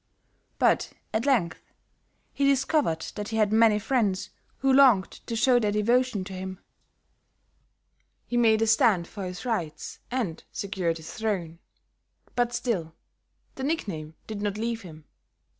But, at length, he discovered that he had many friends who longed to show their devotion to him; he made a stand for his rights and secured his throne. But still, the nickname did not leave him.